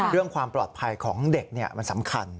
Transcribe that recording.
เรื่องความปลอดภัยของเด็กมันสำคัญ